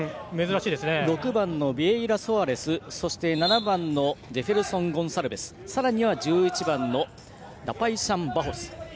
６番のビエイラソアレスそして、７番ジェフェルソン・ゴンサルベスさらには１１番のダパイシャンバホス。